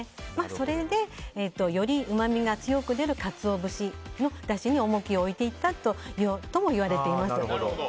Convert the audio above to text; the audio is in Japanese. それで、よりうまみが強く出るカツオ節のだしに重きを置いていったとも言われています。